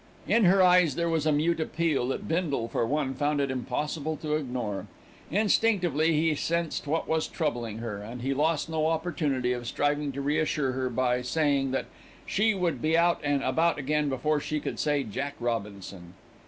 In her eyes there was a mute appeal that Bindle, for one, found it impossible to ignore. Instinctively he sensed what was troubling her, and he lost no opportunity of striving to reassure her by saying that she would be out and about again before she could say "Jack Robinson."